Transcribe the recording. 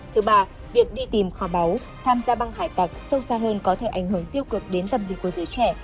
thứ ba việc đi tìm kho báu tham gia băng hải tạc sâu xa hơn có thể ảnh hưởng tiêu cực đến tâm lý của giới trẻ